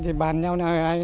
chỉ bàn nhau